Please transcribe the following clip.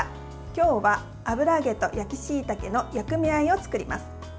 今日は油揚げと焼きしいたけの薬味あえを作ります。